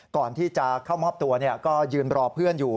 ก่อนที่จะเข้ามอบตัวก็ยืนรอเพื่อนอยู่